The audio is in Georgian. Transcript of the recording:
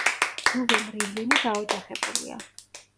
რუვენ რივლინი დაოჯახებულია.